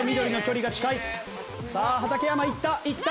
さあ畠山いった。